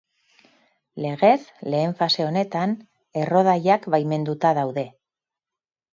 Legez, lehen fase honetan errodaiak baimenduta daude.